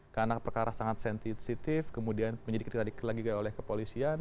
karena perkara sangat sensitif kemudian penyidik terlagi lagi oleh kepolisian